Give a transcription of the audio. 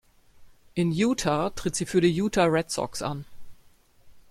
In Utah tritt sie für die Utah Red Rocks an.